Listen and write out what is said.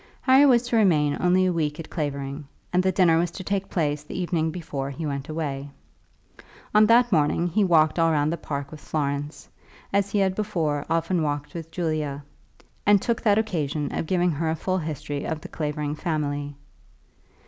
Harry was to remain only a week at Clavering, and the dinner was to take place the evening before he went away. On that morning he walked all round the park with Florence, as he had before often walked with Julia, and took that occasion of giving her a full history of the Clavering family.